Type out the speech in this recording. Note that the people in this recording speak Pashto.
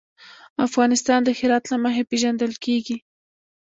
افغانستان د هرات له مخې پېژندل کېږي.